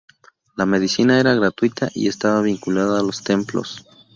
La medicina era gratuita y estaba vinculada a los templos.